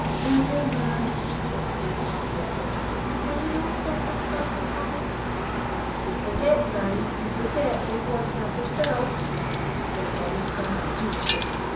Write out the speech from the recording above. "Poor man!" exclaimed Mrs. Elliot, "can we no send him something, Hobbie?" "Ye forget, grannie, ye forget we want help oursells," said Hobbie, somewhat peevishly.